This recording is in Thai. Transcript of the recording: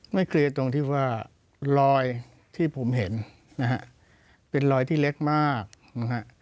เคลียร์ตรงที่ว่ารอยที่ผมเห็นนะฮะเป็นรอยที่เล็กมากนะฮะ